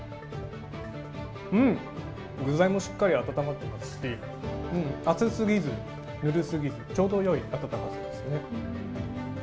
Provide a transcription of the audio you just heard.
具材もしっかり温まってますし、熱すぎず、ぬるすぎず、ちょうどよいあたたかさですね。